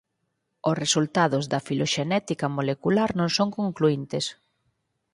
Os resultados da filoxenética molecular non son concluíntes.